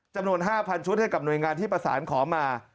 จำนวน๕๐๐ชุดให้กับหน่วยงานที่ประสานขอมา